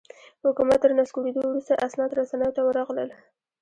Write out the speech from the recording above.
حکومت تر نسکورېدو وروسته اسناد رسنیو ته ورغلل.